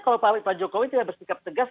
kalau pak jokowi tidak bersikap tegas